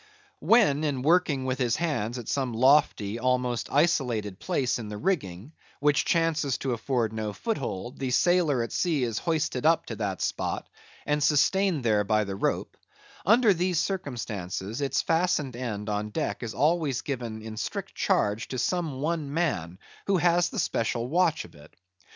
When in working with his hands at some lofty almost isolated place in the rigging, which chances to afford no foothold, the sailor at sea is hoisted up to that spot, and sustained there by the rope; under these circumstances, its fastened end on deck is always given in strict charge to some one man who has the special watch of it.